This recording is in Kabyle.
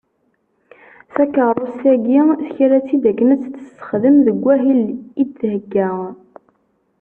Takerrust-agi, tekra-tt-id akken a tt-tessexdem deg wahil i d-thegga.